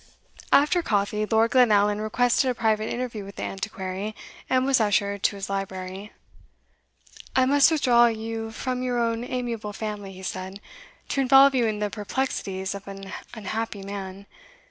After coffee, Lord Glenallan requested a private interview with the Antiquary, and was ushered to his library. "I must withdraw you from your own amiable family," he said, "to involve you in the perplexities of an unhappy man.